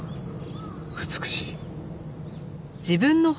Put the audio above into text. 美しい。